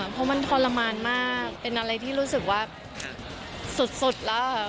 เพราะมันทรมานมากเป็นอะไรที่รู้สึกว่าสุดแล้วค่ะ